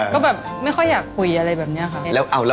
ก็แบบไม่ค่อยอยากคุยอะไรแบบนี้ค่ะ